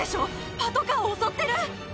⁉パトカーを襲ってる！